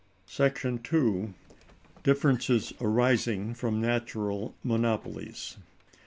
§ 2. Differences arising from Natural Monopolies.